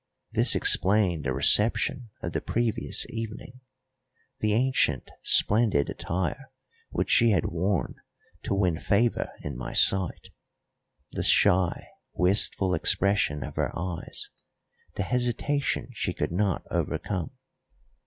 This explained the reception of the previous evening; the ancient, splendid attire which she had worn to win favour in my sight; the shy, wistful expression of her eyes, the hesitation she could not overcome.